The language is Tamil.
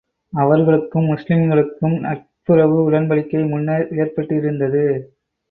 அவர்களுக்கும், முஸ்லிம்களுக்கும் நட்புறவு உடன்படிக்கை முன்னர் ஏற்பட்டிருந்தது.